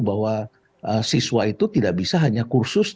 bahwa siswa itu tidak bisa hanya kursus